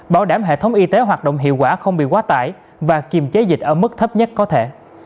bảo đảm hệ thống y tế hoạt động hiệu quả không bị quá tải và kiềm chế dịch ở mức thấp nhất có thể